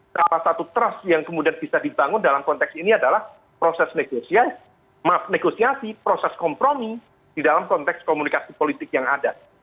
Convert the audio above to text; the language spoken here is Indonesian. salah satu trust yang kemudian bisa dibangun dalam konteks ini adalah proses negosiasi negosiasi proses kompromi di dalam konteks komunikasi politik yang ada